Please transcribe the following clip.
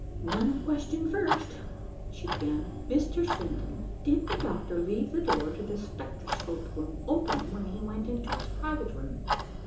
"One question first," she began, "Mr. Swenton, did the doctor leave the door to the spectroscope room open when he went into his private room?"